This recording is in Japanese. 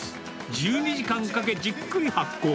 １２時間かけ、じっくり発酵。